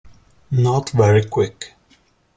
Not very Quick.